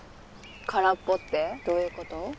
空っぽってどういうこと？